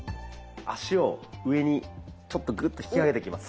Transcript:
足を上にちょっとグッと引き上げてきます。